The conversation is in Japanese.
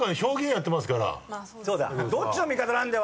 どっちの味方なんだよ？